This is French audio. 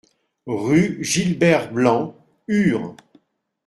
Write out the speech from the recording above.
Rue Gilbert Blanc, Ur